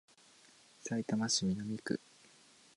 さいたま市南区